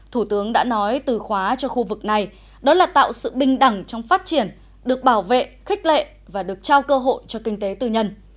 thủ tướng đã nói từ khóa cho khu vực này đó là tạo sự bình đẳng trong phát triển được bảo vệ khích lệ và được trao cơ hội cho kinh tế tư nhân